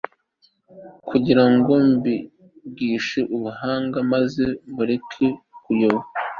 kugira ngo mbigishe ubuhanga maze mureke kuyoba